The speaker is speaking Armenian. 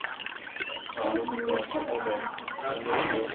Գարունը կարճատև է։